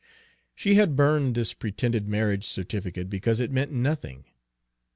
She had burned this pretended marriage certificate because it meant nothing.